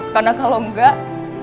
karena kalau enggak